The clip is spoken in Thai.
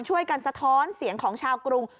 ช่วยกันสะท้อนเสียงของชาวกรุง